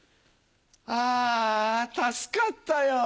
ああ助かったよ。